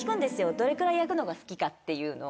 どれくらい焼くのが好きかっていうのを。